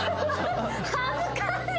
恥ずかしい。